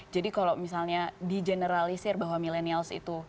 jadi kalau misalnya di generalisir bahwa milenials itu